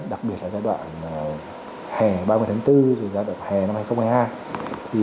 đặc biệt là giai đoạn hè ba mươi tháng bốn giai đoạn hè năm hai nghìn hai mươi hai